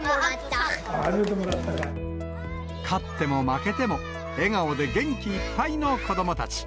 勝っても負けても、笑顔で元気いっぱいの子どもたち。